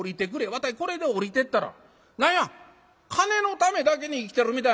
わたいこれで下りてったら何や金のためだけに生きてるみたいな人間でんがな」。